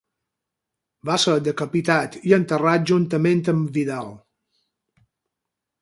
Va ser decapitat i enterrat, juntament amb Vidal.